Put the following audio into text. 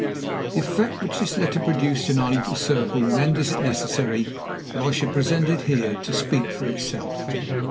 The effect which this letter produced in our little circle renders it necessary that I should present it here, to speak for itself.